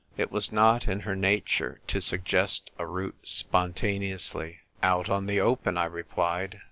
It was not in her nature to suggest a route spontaneously. " Out on the open," I replied.